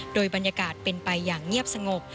โดยบรรยากาศเป็นไปอย่างเงียบสงบ